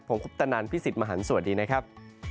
ผมคุปตนันพี่สิทธิ์มหันฯสวัสดีนะครับ